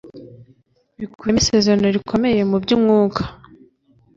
bikubiyemo isezerano rikomeye mu by'umwuka,